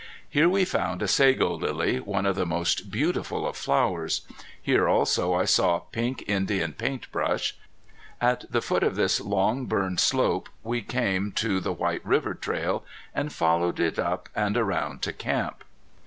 Here we found a sego lily, one of the most beautiful of flowers. Here also I saw pink Indian paint brush. At the foot of this long burned slope we came to the White River trail, and followed it up and around to camp.